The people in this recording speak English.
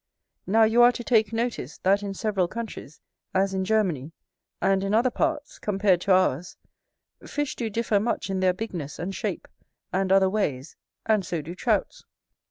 Now you are to take notice, that in several countries, as in Germany, and in other parts, compared to ours, fish do differ much in their bigness, and shape, and other ways; and so do Trouts.